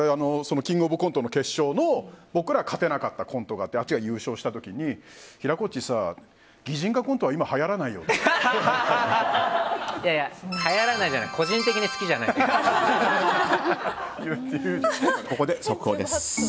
「キングオブコント」の決勝の僕ら勝てなかったコントがあってあっちが優勝した時平子っちさ、擬人化コントははやらないじゃないここで、速報です。